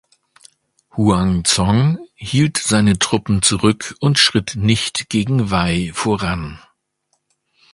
Huang Zhong hielt seine Truppen zurück und schritt nicht gegen Wei voran.